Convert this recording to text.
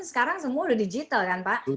sekarang semua udah digital kan pak